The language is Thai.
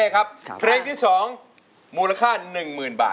ไปพี่ขุทคุณเล่นป่ะฮะ